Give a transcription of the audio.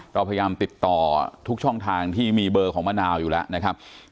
เราพยายามติดต่อทุกช่องทางที่มีเบอร์ของมะนาวอยู่แล้วนะครับ